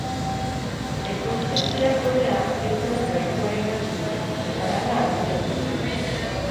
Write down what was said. Ekoiztetxeak ordea, ez zuen proiektuarengan sinistu eta lana arbuiatu zuten.